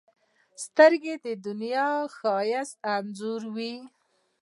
سترګې د دنیا ښایست انځوروي